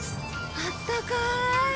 あったかい！